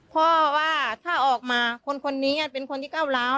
ว่าถ้าออกมาคนนี้เป็นคนที่ก้าวร้าว